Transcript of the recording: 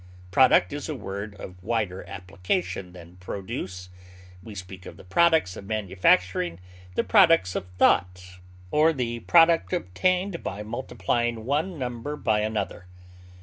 Product is a word of wider application than produce; we speak of the products of manufacturing, the products of thought, or the product obtained by multiplying one number by another.